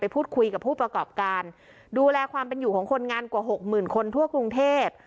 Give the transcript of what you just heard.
พูดคุยกับผู้ประกอบการดูแลความเป็นอยู่ของคนงานกว่าหกหมื่นคนทั่วกรุงเทพ